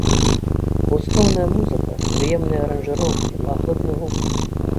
Густоўная музыка, прыемныя аранжыроўкі, лагодны гук.